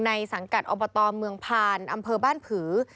สังกัดอบตเมืองพานอำเภอบ้านผือ